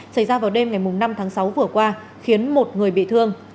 xảy ra vào đêm ngày năm tháng sáu vừa qua khiến một người bị thương